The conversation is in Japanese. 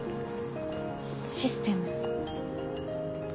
システム。